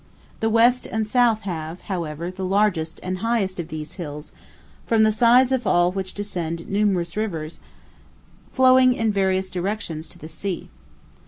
The West and South have, however, the largest and highest of these hills, from the sides of all which descend numerous rivers, flowing in various directions to the sea.